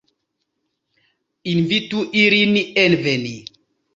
Invitu ilin enveni!